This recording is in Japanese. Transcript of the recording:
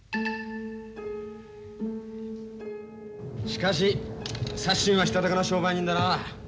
しかしサッシンはしたたかな商売人だな。